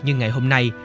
như ngày hôm nay